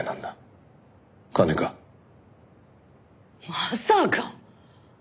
まさか！